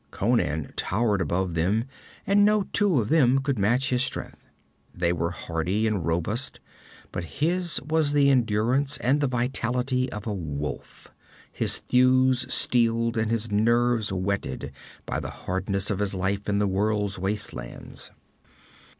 Conan towered above them, and no two of them could match his strength. They were hardy and robust, but his was the endurance and vitality of a wolf, his thews steeled and his nerves whetted by the hardness of his life in the world's wastelands.